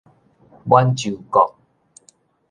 滿洲國